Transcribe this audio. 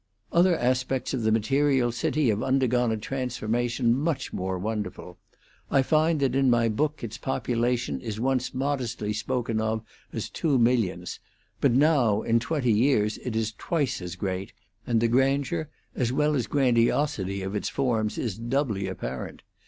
Other aspects of the material city have undergone a transformation much more wonderful. I find that in my book its population is once modestly spoken of as two millions, but now in twenty years it is twice as great, and the grandeur as well as grandiosity of its forms is doubly apparent.